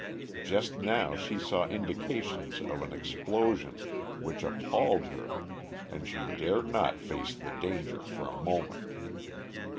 Just now she saw indications of an explosion, which appalled her, and she dared not face the danger for a moment.